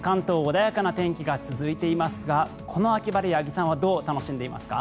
穏やかな天気が続いていますがこの秋晴れ、八木さんはどう楽しんでいますか？